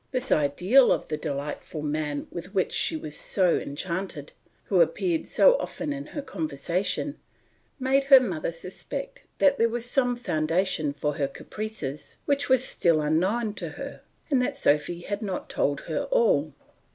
This ideal of the delightful man with which she was so enchanted, who appeared so often in her conversation, made her mother suspect that there was some foundation for her caprices which was still unknown to her, and that Sophy had not told her all.